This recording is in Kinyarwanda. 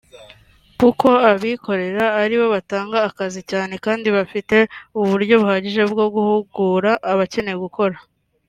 kuko abikorera aribo batanga akazi cyane kandi bafite uburyo buhagije bwo guhugura abakeneye gukora